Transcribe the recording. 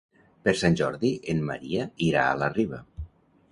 Per Sant Jordi en Maria irà a la Riba.